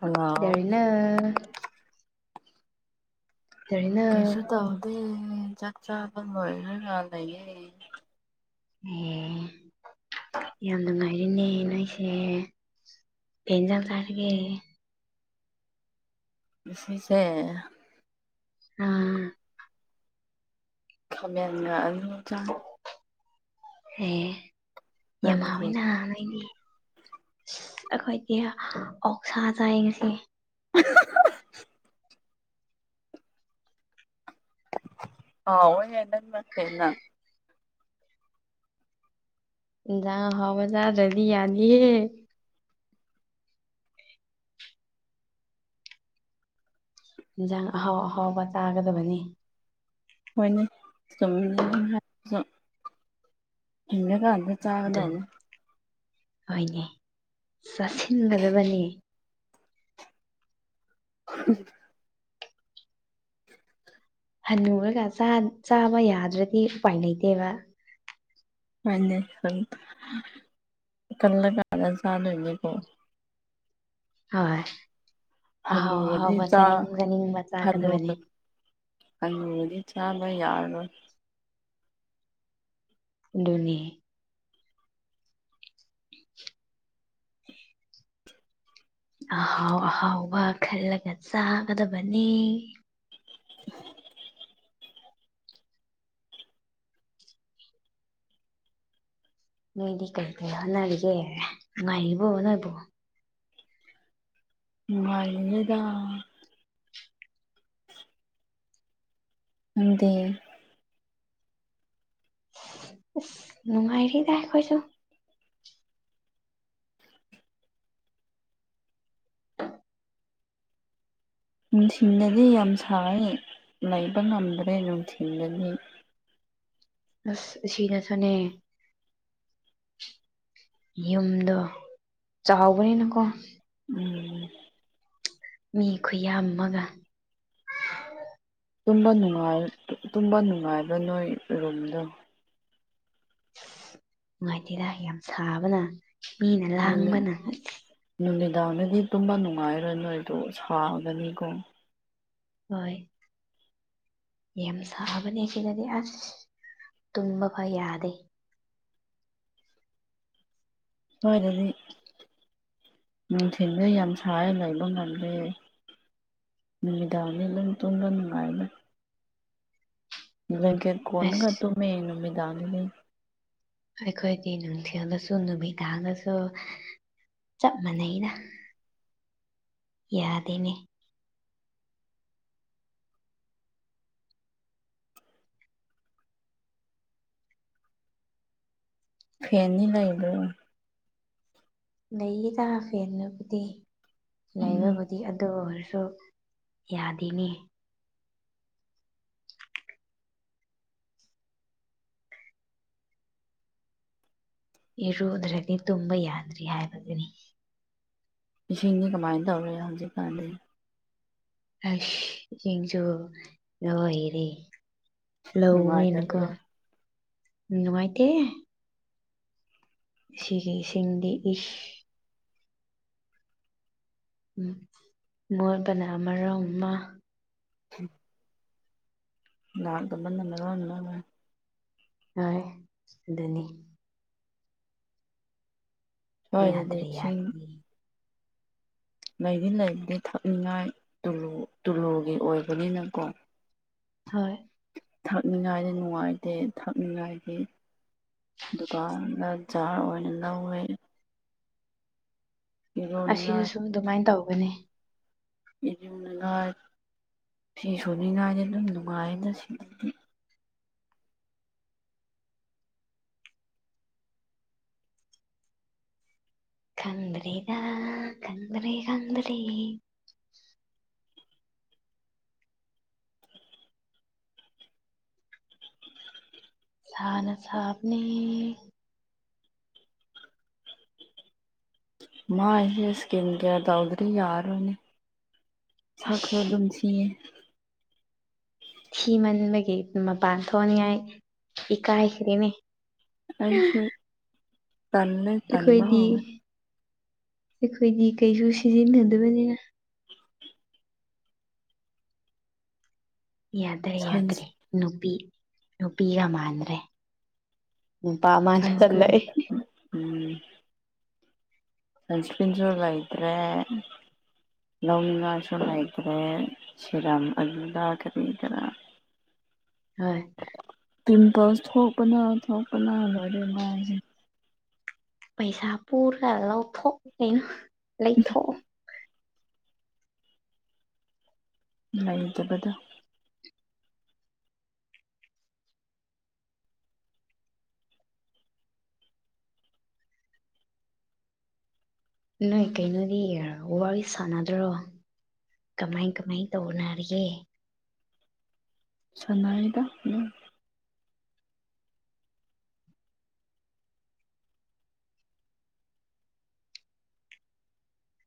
hello ꯗꯔꯅ ꯀꯩꯁꯨ ꯇꯧꯗꯦ ꯆꯥꯛ ꯆꯥꯕ ꯑꯣꯏꯣꯏꯔ ꯂꯩꯌꯦ ꯑꯦ ꯌꯥꯝ ꯅꯨꯡꯉꯥꯏꯔꯤꯅꯦ ꯅ ꯑꯩꯁꯦ ꯄꯦꯟꯖꯜ ꯁꯥꯔꯒꯦ ꯁꯁꯦ ꯑꯥ ꯈꯥꯃꯦꯟꯒ ꯑꯗꯨ ꯆꯥꯡ ꯑꯦ ꯌꯥꯝ ꯅꯪꯗꯤ ꯍꯥꯎꯋꯤꯅ ꯅ ꯑꯩꯗꯤ ꯑ ꯑꯩꯈꯣꯏꯒꯤ ꯑꯣꯛꯁꯥ ꯆꯥꯏ ꯉꯁꯤ [inaudible] ꯑ ꯑꯣꯏꯣꯏ ꯑꯦꯅ ꯃꯥ ꯌꯥ ꯍꯕꯖꯥ ꯑꯗꯨꯗꯤ ꯑꯂꯤ ꯍꯦ ꯏꯟꯁꯥꯡ ꯑꯍꯥꯎ ꯑꯍꯥꯎꯕ ꯇꯥꯒꯗꯕꯅꯤ ꯍꯣꯏꯅꯦ ꯆꯨꯝꯃꯤ ꯀꯗ ꯆꯥꯒꯗꯅꯤ ꯍꯅꯦ ꯆꯥꯁꯤꯟꯒꯗꯕꯅꯤ [inaudible] ꯍꯟꯅꯨꯔꯒ ꯆꯥꯕ ꯌꯥꯗ꯭ꯔꯗꯤ ꯎꯄꯥꯏ ꯂꯩꯇꯦꯕ ꯍꯅꯦꯦ ꯍ ꯀꯂ ꯀꯥ ꯑꯅꯥꯖꯥꯗ ꯑꯣꯏꯅꯅꯦꯒꯣ ꯍꯣꯏ ꯑꯍꯥꯎ ꯍꯅꯨꯔꯗꯤ ꯑꯍꯥꯎꯕ ꯆꯥ ꯆꯥꯅꯤꯡ ꯆꯥꯅꯤꯡꯕ ꯆꯥꯀꯗꯕꯅꯤ ꯑꯗꯤ ꯆꯥꯕ ꯌꯥꯔꯅꯣ ꯅꯤ ꯑꯍꯥꯎ ꯑꯍꯥꯎꯕ ꯈꯜꯂꯒ ꯆꯥꯒꯗꯕꯅꯤ [inaudible] ꯅꯣꯏꯗꯤ ꯀꯔꯤ ꯀꯔꯤ ꯍꯣꯠꯅꯔꯤꯒꯦ ꯉꯅꯨꯡꯉꯥꯏꯔꯤꯕꯣ ꯅꯣꯏꯕꯨꯣ ꯥꯏꯅꯦꯗꯥ ꯑꯗꯤ ꯅꯉꯥꯏꯔꯤ ꯇꯥꯏ ꯀꯣꯏꯁꯨ ꯅꯨꯡꯊꯤꯟꯗꯗꯤ ꯌꯥꯝ ꯁꯥꯏ ꯂꯩꯕ ꯉꯝꯗ꯭ꯔꯦ ꯅꯨꯡꯊꯤꯟꯜꯗꯗꯤ ꯑꯁ ꯑꯁꯤꯅꯁꯨꯅꯦ ꯌꯨꯝꯗ ꯆꯥꯎꯕꯅꯤꯅꯀꯣ ꯎꯝ ꯃꯤ ꯈꯨꯌꯥꯃꯒ ꯇꯨꯝꯕ ꯅꯨꯡꯉꯥꯏꯕ ꯅꯣꯏ ꯔꯨꯝꯗꯣ ꯅꯨꯡꯉꯥꯏꯇꯦꯔ ꯌꯥꯝ ꯁꯥꯕꯅ ꯃꯤꯅ ꯂꯥꯡꯕꯅ ꯗꯥꯅꯗꯤ ꯇꯨꯝꯕ ꯅꯨꯡꯉꯥꯏꯔꯣꯏ ꯅꯣꯏꯗꯣ ꯁꯥꯒꯅꯤꯀꯣ ꯍꯣꯏ ꯌꯥꯝ ꯁꯥꯛꯑꯕꯅꯦ ꯁꯤꯗꯗꯤ ꯑꯁ ꯇꯨꯝꯕ ꯐ ꯌꯥꯗꯦ ꯍꯣꯏ ꯑꯗꯨꯗꯤꯅꯤ ꯅꯨꯡꯊꯤꯟꯜꯗ ꯌꯥꯝ ꯁꯅ ꯂꯩꯕ ꯉꯝꯂ꯭ꯔꯦ ꯅꯨꯃꯤꯗꯥꯡꯅꯤꯂ ꯇꯨꯡꯗ ꯅꯨꯡꯉꯥꯏꯂ ꯂ ꯀ ꯀꯣꯅꯒ ꯑꯁ ꯇꯨ ꯃꯅꯃꯤꯗꯥꯅ ꯂꯩ ꯑꯩꯣꯏ ꯈꯣꯏ ꯇ ꯅꯨꯍꯊꯦꯂ ꯁꯨ ꯅ ꯅꯨꯕꯤꯤꯗꯥ ꯍꯂꯣꯁꯨꯣ ꯆꯞ ꯃꯥꯟꯅꯩꯗ ꯌꯥꯗꯦꯅꯦ ꯐꯦꯅꯤ ꯂꯩꯕ ꯂꯩꯌꯦꯗ ꯐꯦꯅꯕꯨꯗꯤ ꯎꯝ ꯂꯩꯕꯕꯨꯗꯤ ꯑꯗꯨ ꯑꯣꯏꯔꯦ ꯁꯨ ꯌꯥꯗꯤꯅꯤ ꯏꯔꯨꯗ꯭ꯔꯗꯤ ꯇꯨꯝꯕ ꯌꯥꯗ꯭ꯔꯤ ꯍꯥꯏꯕꯗꯨꯅꯤ ꯏꯁꯤꯡꯗꯤ ꯀꯃꯥꯏꯅ ꯇꯧꯔ ꯍꯧꯖꯤꯛꯀꯥꯟꯗꯤ ꯑ ꯌꯦꯁꯨ ꯂꯔꯤꯦ ꯂꯧꯋꯦꯅꯀꯣ ꯅꯨꯡꯉꯥꯏꯇꯕ꯭ꯔꯣ ꯎꯝ ꯅꯨꯡꯉꯥꯏꯇꯦ ꯁꯤꯒꯤꯁꯤꯡꯗꯤ ꯏꯁ ꯎ ꯃꯣꯏꯕꯅ ꯑꯃꯣꯡꯃ ꯎꯝ ꯥꯟ ꯊꯃ ꯅꯅꯗ ꯍ ꯑꯗꯨꯅꯤ ꯁ꯭ꯋꯥꯏꯗꯗꯤ ꯌꯥꯗ꯭ꯔꯦ ꯏꯁꯤꯡ ꯌꯥꯗꯅꯤ ꯂꯩꯗꯤ ꯂꯩꯕꯗꯤ ꯊꯛꯅꯤꯡꯉꯥꯏ ꯇꯨꯂꯨꯒꯤ ꯑꯣꯏꯕꯅꯤꯅꯀꯣ ꯍ ꯊꯛꯅꯤꯡꯉꯥꯏꯗꯤ ꯅꯨꯡꯉꯥꯏꯇꯦ ꯊꯛꯅꯤꯡꯉꯥꯏꯒꯤ ꯗꯨꯀꯥꯟꯗ ꯖꯥꯔ ꯑꯣꯏꯅ ꯂꯧ ꯑꯣꯏꯦ ꯑꯁꯤꯗꯁꯨ ꯑꯗꯨꯃꯥꯏꯅ ꯇꯧꯒꯅꯤ ꯖꯝ ꯒꯔ ꯐꯤ ꯁꯨꯅꯤꯉꯥꯏꯗ ꯑꯗꯨꯏ ꯅꯨꯡꯉꯥꯏꯌꯦꯅ ꯁꯤꯗꯤ ꯀꯗꯔꯤꯗ ꯀꯟꯗꯔꯤ ꯀꯗꯔꯤ ꯁꯅ ꯁꯥꯕꯅꯤ ꯃꯥꯏ ꯁꯀꯤꯒꯦꯗ ꯎꯗꯔ ꯌꯔ ꯑꯣꯏꯅꯤ ꯁꯥꯈ꯭ꯔ ꯑꯁ ꯑꯗꯨꯝ ꯁꯤꯌꯦ ꯁꯤ ꯃꯟꯕꯒꯤ ꯃꯄꯥꯟ ꯊꯣꯛꯅꯤꯡꯉꯥꯏ ꯏꯀꯥꯏꯈ꯭ꯔꯦꯅꯦ ꯑꯩꯁꯨ ꯇꯟꯅꯦ ꯇꯟ ꯑꯩꯈꯣꯏꯗꯤ ꯑꯣꯏꯦ ꯑꯩꯈꯣꯏꯗꯤ ꯀꯩꯁꯨ ꯁꯤꯖꯤꯟꯅꯗꯕꯅꯤꯅ ꯌꯥꯗ꯭ꯔꯦ ꯁꯟꯁ ꯌꯥꯗ꯭ꯔꯦ ꯅꯨꯄꯤ ꯅꯨꯄꯤꯒ ꯃꯥꯟꯗ꯭ꯔꯦ ꯎ ꯄꯥꯃꯅ ꯁꯟꯁꯀ꯭ꯔꯤꯟ ꯂꯩ ꯁꯪꯁꯄꯤꯟꯁꯨ ꯂꯥꯏꯗ꯭ꯔꯦ ꯂꯧꯅꯁꯨꯉꯥꯏꯇ꯭ꯔꯦ ꯁꯤꯔꯝ ꯑꯗꯨꯗ ꯀꯔꯤꯗꯔꯥ ꯍꯣꯏ ꯇꯝ ꯄꯁ ꯊꯣꯛꯄꯅ ꯊꯣꯛꯄꯅ ꯑꯗꯨ ꯃꯥꯁ ꯄꯩꯁꯥ ꯄꯨꯔ ꯂꯧꯊꯣꯛꯑꯣ ꯀꯩꯅꯣ ꯂꯩꯊꯣꯛꯑꯣ ꯂꯩꯖꯕꯗ ꯅꯣꯏ ꯀꯩꯅꯣꯗꯤ ꯌꯦꯔ ꯋꯥꯔꯤ ꯁꯥꯟꯅꯗ꯭ꯔꯣ ꯀꯃꯥꯏ ꯀꯃꯥꯏ ꯇ ꯑꯣꯅꯔꯌꯦ ꯁꯅꯥꯏꯗꯅꯦ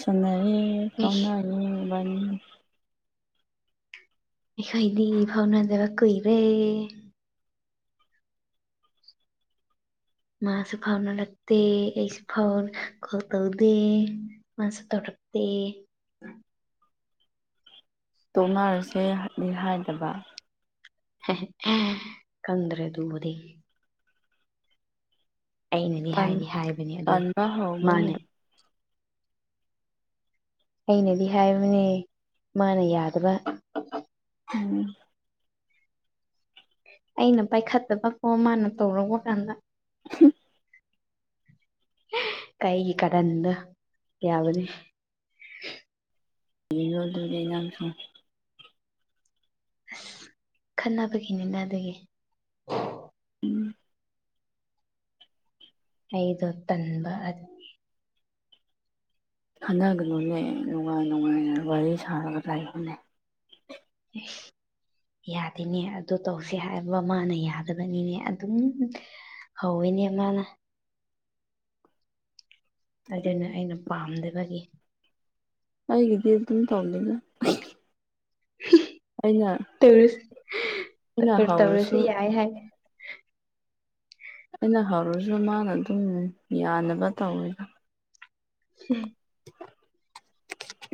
ꯁꯅꯔꯤ ꯑꯩꯁ ꯐꯥꯎꯅꯔꯤꯕꯥꯅꯤ ꯈꯥꯏꯗꯤ ꯐꯥꯎꯅꯥꯖꯕ ꯀꯨꯏꯔꯦ ꯃꯥꯁꯨ ꯐꯥꯎꯅꯔꯛꯇꯦ ꯑꯩꯁꯨ ꯐꯥꯎꯅ ꯀ ꯇꯧꯗꯦ ꯃꯥꯁꯨ ꯇꯧꯔꯛ ꯇ ꯇꯣꯛꯅꯔꯁꯦꯅꯤ ꯍꯥꯏꯗꯕ ꯀꯗ꯭ꯔꯦ ꯑꯗꯨ ꯎꯕꯗꯤ ꯑꯩꯅꯗꯤ ꯇꯟ ꯍꯥꯏꯗꯤ ꯍꯥꯏꯕꯅꯦ ꯑꯗꯨ ꯇꯟꯕ ꯃꯥꯅꯦ ꯍꯧꯕꯒꯤꯔꯣ ꯑꯩꯅꯗꯤ ꯍꯥꯏꯕꯅꯦ ꯃꯥꯅ ꯌꯥꯗꯕ ꯎꯝ ꯑꯩꯅ ꯄꯥꯏꯈꯠꯇꯕꯀꯣ ꯃꯥꯅ ꯇꯧꯔꯨꯕ ꯀꯥꯟꯗ ꯑ ꯀꯩꯒꯤ ꯀꯔꯟ ꯌꯥꯕꯅꯤ ꯌ ꯑꯗꯨ ꯂꯩ ꯌꯥꯁꯨ ꯑꯁ ꯈꯟꯅꯅꯕꯒꯤꯅꯤꯅ ꯑꯗꯨꯒꯤ ꯎꯝ ꯑꯩꯗ ꯇꯟꯕ ꯑꯗꯨ ꯈꯟꯅꯒꯅꯨꯅꯦ ꯅꯨꯡꯉꯥꯏ ꯅꯨꯡꯉꯥꯏꯅ ꯋꯥꯔꯤ ꯁꯥꯔꯒ ꯇꯥꯏꯈꯅꯦ ꯑꯦ ꯌꯥꯗꯦꯅꯦ ꯑꯗꯨ ꯇꯧꯁ ꯍꯥꯏꯕ ꯃꯥꯅ ꯌꯥꯗꯕꯅꯤꯅꯦ ꯑꯗꯨꯝ [unintelligible] ꯑꯃꯅ ꯑꯗꯨꯅ ꯑꯩꯅ ꯄꯥꯝꯗꯕꯒꯤ ꯍꯥꯏꯒꯗꯦ ꯇ ꯇꯧꯂ [unintelligible] ꯑꯩꯅ ꯔ ꯇꯧꯔꯁꯨ ꯍꯧꯔꯁꯨ ꯌꯥꯏ ꯍꯥꯏ ꯑꯩꯅ ꯍꯧꯔꯁꯨ ꯃꯥꯅ ꯑꯗꯨꯝ ꯌꯥꯅꯕ ꯇꯧꯋꯤ ꯎꯝ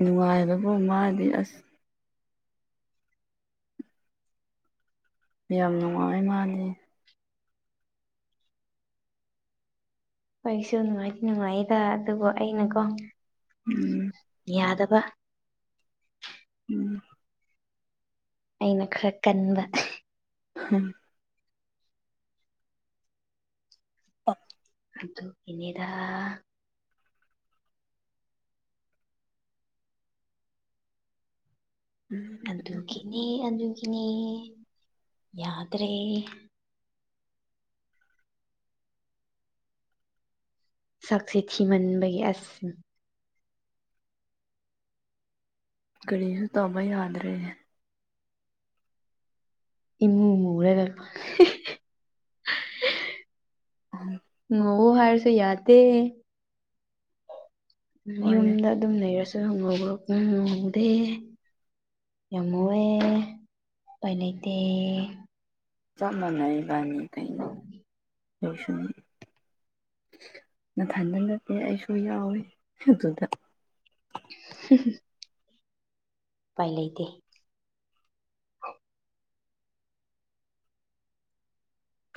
ꯅꯨꯡꯉꯥꯏꯕꯕꯨ ꯃꯥꯗꯤ ꯑꯁ ꯌꯥꯝ ꯅꯨꯡꯉꯥꯏ ꯃꯥꯅꯤ ꯑꯩꯁꯨ ꯅꯨꯡꯉꯥꯏꯇ ꯅꯨꯡꯉꯥꯏꯗ ꯑꯗꯨꯕꯨ ꯑꯩꯅꯀꯣ ꯎꯝ ꯌꯥꯗꯕ ꯎꯝ ꯑꯩꯅ ꯈꯔ ꯀꯟꯕ ꯎꯝ ꯑ ꯑꯗꯨꯣ ꯏꯅꯦꯗ ꯑꯗꯨꯒꯤꯅꯦ ꯑꯗꯨꯒꯤꯅꯦ ꯌꯥꯗ꯭ꯔꯦ ꯁꯛꯁꯦ ꯊꯤꯃꯟꯕꯒꯤ ꯑꯁ ꯅꯤꯁ ꯇꯃ ꯌꯥꯗꯔꯦ ꯏꯃ ꯃꯔꯦꯒꯜ ꯉ ꯍꯥꯏꯔꯁꯨ ꯌꯥꯗ ꯍꯣꯏꯅꯦ ꯌꯨꯝꯗ ꯑꯗꯨꯝ ꯂꯩꯔꯁꯨ ꯍꯪꯉꯨꯕ꯭ꯔꯣ ꯎ ꯉꯧꯗꯦ ꯌꯥꯝꯃꯣꯏꯦ ꯀꯥꯏ ꯂꯩꯇꯦ ꯆꯃꯅꯏꯕꯅꯤꯗꯅ ꯍꯁꯨ ꯅꯊꯟꯗ ꯅꯠꯇꯦ ꯑꯩꯁꯨ ꯌꯥꯎꯋꯤ ꯑꯗꯨꯗ ꯍ ꯄꯥꯏ ꯂꯩꯇꯦ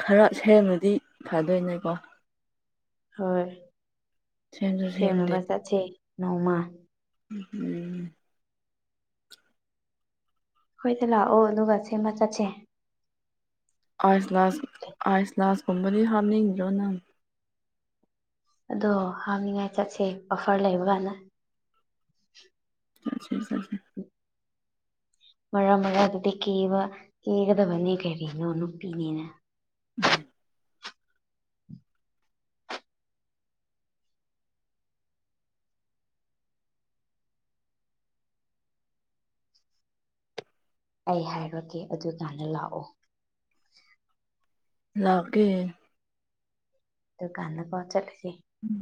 ꯈꯔ ꯍꯦꯟꯅꯗꯤ ꯊꯥꯗꯣꯏꯅꯦꯀꯣ ꯍꯣꯏ ꯁꯦꯝꯁꯨ ꯁꯦꯝꯗꯦ ꯁꯅꯕꯁ ꯆꯁ ꯅꯧꯃ ꯎꯝ ꯍꯣꯏꯗ ꯂꯥꯛꯑꯣ ꯑꯗꯨꯒ ꯁꯦꯝꯃ ꯆꯠꯁꯦ ꯑꯁꯥꯁ ꯑꯥꯏꯁ ꯂꯥꯁꯀꯨꯝꯕꯗꯤ ꯍꯥꯞꯅꯤꯡ꯭ꯔꯣ ꯅꯪ ꯑꯗꯣ ꯍꯥꯞꯅꯤꯉꯥꯏ ꯆꯠꯁꯦ ꯑꯣꯐꯔ ꯂꯩꯕ ꯀꯅ ꯆꯦ ꯃꯔꯥꯡ ꯃꯔꯥꯗꯨꯗꯤ ꯀꯦꯕ ꯀꯦꯒꯗꯕꯅꯦ ꯀꯔꯤꯅꯣ ꯅꯨꯄꯤꯅꯦꯅ [inaudible] ꯑꯩ ꯍꯥꯏꯔꯒꯦ ꯑꯗꯨ ꯀꯥꯟꯗ ꯂꯥꯛꯑꯣ ꯂꯀꯦ ꯇ ꯀꯥꯟ ꯄ ꯆꯂꯁꯤ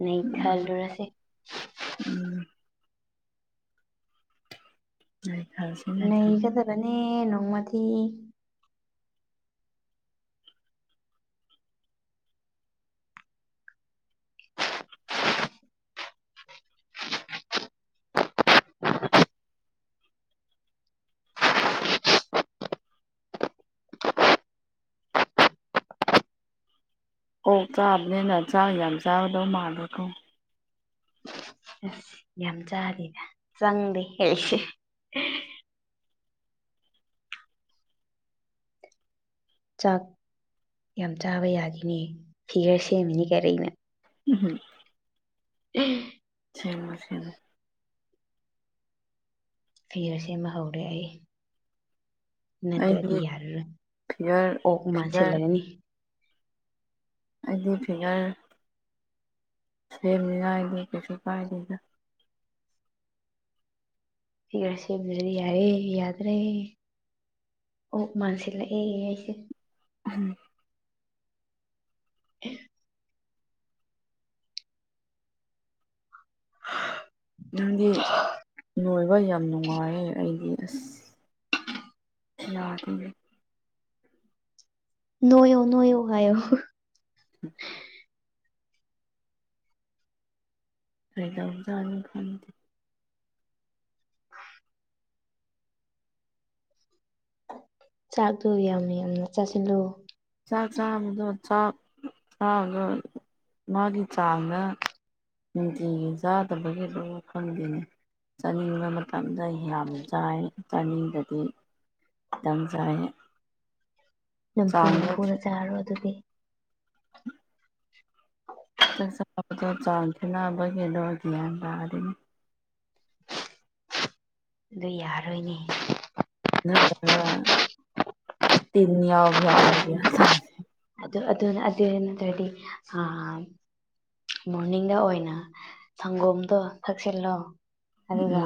ꯅ ꯎꯝ ꯈꯜꯂꯨꯔꯁꯤ ꯎꯝ ꯎꯝ ꯅꯩꯒꯗꯕꯅꯦ ꯅꯣꯡꯃꯗꯤ ꯑꯣ ꯆꯥꯕꯅꯦꯅ ꯆꯥꯛ ꯌꯥꯝ ꯆꯥꯒꯗꯧ ꯃꯥꯂ꯭ꯔꯦꯀꯣ ꯑꯁ ꯌꯥꯝ ꯆꯥꯗꯦꯅ ꯆꯪꯗꯦ ꯑꯩꯁꯦ ꯆꯥꯛ ꯌꯥꯝ ꯆꯥꯕ ꯌꯥꯈꯤꯅꯦ ꯐꯤꯒꯔ ꯁꯦꯝꯃꯤꯅꯤ ꯀꯔꯩꯅ ꯎꯝꯍꯝ ꯎ ꯁꯤꯦꯡꯁꯤꯦꯡ ꯐꯤꯔ ꯁꯦꯝ ꯑꯃ ꯍꯧꯔꯦ ꯑꯩ ꯅꯠꯇ꯭ꯔꯗꯤ ꯑꯩꯗꯤ ꯌꯥꯔꯔꯣꯏ ꯐꯤꯒꯔ ꯑꯣ ꯃꯥꯥꯟꯁꯤꯜꯂꯔꯅꯤ ꯍꯥꯏꯗꯤ ꯐꯤꯅꯔ ꯁꯦꯝꯅꯤꯉꯥꯏꯗ ꯀꯩꯁꯨ ꯀꯥꯏꯗꯦꯗ ꯁꯤꯁꯦꯔꯤ ꯌꯥꯔ ꯌꯥꯗ ꯔ ꯑꯣ ꯃꯅꯁꯂ ꯑꯦ ꯌꯥꯏꯁꯦ ꯎꯝ ꯑꯦ ꯅꯪꯗꯤ ꯅꯣꯏꯕ ꯌꯥꯝ ꯅꯨꯡꯉꯥꯏꯌꯦ ꯑꯩꯗꯤ ꯑꯁ ꯌꯥ ꯊꯤꯟꯒꯦ ꯅꯣꯏꯌꯣ ꯅꯣꯏꯌꯣ ꯍꯥꯏꯌꯣ ꯍ [unintelligible] ꯐꯗꯧꯖꯥꯅꯤ ꯈꯟꯗꯦ ꯆꯥꯛꯇꯣ ꯌꯥꯝꯅ ꯌꯥꯝꯅ ꯆꯥꯁꯤꯜꯂꯨ ꯆꯥꯛ ꯆꯥꯕꯗꯣ ꯆꯥꯛ ꯆꯥꯕꯗꯣ ꯃꯥꯒꯤ ꯆꯥꯡꯗ ꯅꯨꯡꯇꯤꯒꯤ ꯆꯥꯗꯕꯒꯤꯔꯣ ꯈꯪꯗꯦꯅꯦ ꯆꯥꯅꯤꯡꯕ ꯃꯇꯝꯗ ꯌꯥꯝ ꯆꯥꯏ ꯆꯥꯅꯤꯡꯗ꯭ꯔꯗꯤ ꯇꯡ ꯆꯥꯏꯌꯦ ꯅꯝꯐꯨ ꯅꯝꯐꯨꯗ ꯆꯥꯔꯣ ꯑꯗꯨꯗꯤ ꯆꯥꯛ ꯆꯥꯕꯗꯣ ꯆꯥꯡ ꯈꯦꯠꯅꯕꯒꯤꯔꯣ ꯒ꯭ꯌꯥꯟ ꯇꯥꯗꯦꯅꯦ ꯑꯗꯨ ꯌꯥꯔꯣꯏꯅꯦ [unintelligible] [unintelligible] ꯑꯗꯨ ꯑꯗꯨꯅ ꯑꯗꯨ ꯅꯠꯇ꯭ꯔꯗꯤ ꯑꯥ ꯃꯣꯔꯅꯤꯡꯗ ꯑꯣꯏꯅ ꯁꯪꯒꯣꯝꯗꯣ ꯊꯛꯆꯤꯜꯂꯣ ꯎꯝ ꯑꯗꯨꯒ